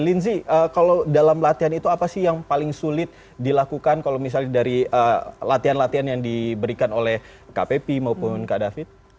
linzi kalau dalam latihan itu apa sih yang paling sulit dilakukan kalau misalnya dari latihan latihan yang diberikan oleh kpp maupun kak david